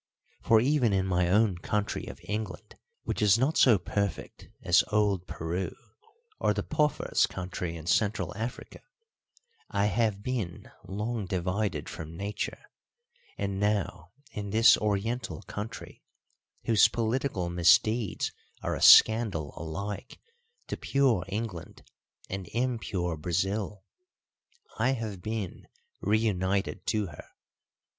For even in my own country of England, which is not so perfect as old Peru or the Pophar's country in Central Africa, I have been long divided from Nature, and now in this Oriental country, whose political misdeeds are a scandal alike to pure England and impure Brazil, I have been reunited to her.